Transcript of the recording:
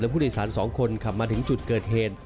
ผู้โดยสาร๒คนขับมาถึงจุดเกิดเหตุ